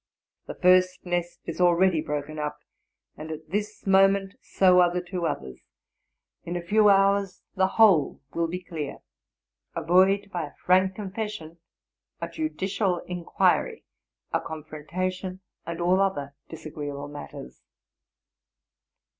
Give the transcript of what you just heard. ) The first nest is already broken up, and at this moment so are the two others. Ina few hours the whole will be cleat Avoid, by a frank confession, a judicial inquiry, a con frontation, and all other disagreeable matters.